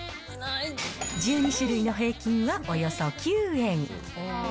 １２種類の平均はおよそ９円。